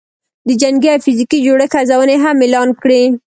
د جنګي او فزیکي جوړښت ارزونې هم اعلان کړې